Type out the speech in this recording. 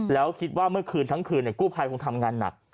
แล้วคิดว่าเมื่อคืนทั้งคืนกู้ภัยคงทำงานหนัก